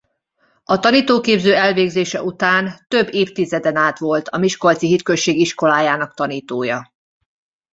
A tanítóképző elvégzése után több évtizeden át volt a miskolci hitközség iskolájának tanítója.